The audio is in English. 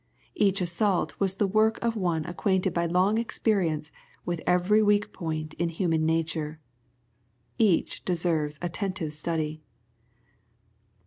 Each assault was the work of one ac quainted by long experience with every weak point in human nature. Each deserves an attentive study.